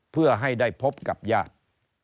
เพื่อให้ได้พบกับญาติ